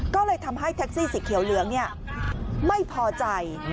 ก็เลยทำให้แท็กซี่สีเขียวเหลืองไม่พอใจ